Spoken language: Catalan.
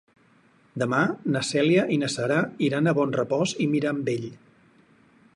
Demà na Cèlia i na Sara iran a Bonrepòs i Mirambell.